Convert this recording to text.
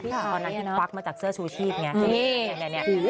ตอนนั้นที่ควักมาจากเสื้อชูชีพไง